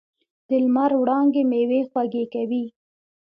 د لمر وړانګې میوې خوږې کوي.